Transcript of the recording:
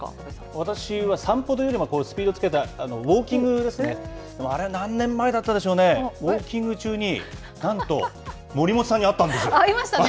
私は散歩というよりも、スピードつけたウォーキングですね、あれ、何年前だったでしょうね、ウォーキング中に、ありましたね。